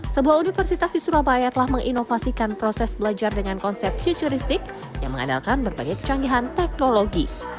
sebuah universitas di surabaya telah menginovasikan proses belajar dengan konsep futuristik yang mengandalkan berbagai kecanggihan teknologi